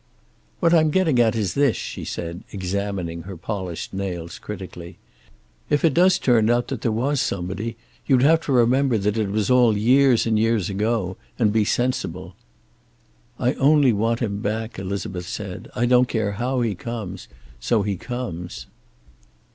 "What I'm getting at is this," she said, examining her polished nails critically. "If it does turn out that there was somebody, you'd have to remember that it was all years and years ago, and be sensible." "I only want him back," Elizabeth said. "I don't care how he comes, so he comes."